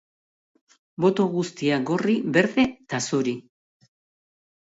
Boto guztiak gorri, berde eta zuri.